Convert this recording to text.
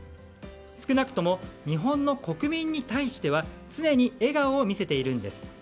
少なくとも日本の国民に対しては常に笑顔を見せているんです。